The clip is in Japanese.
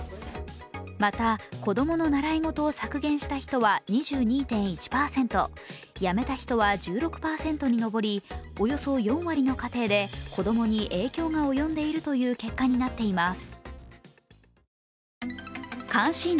また、子供の習い事を削減した人は２２．１％、やめた人は１６％に上りおよそ４割の家庭で子供に影響が及んでいるという結果になっています。